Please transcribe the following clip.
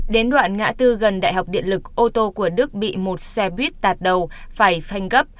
đến đoạn ngã tư gần đại học điện lực ô tô của đức bị một xe buýt tạt đầu phải phanh gấp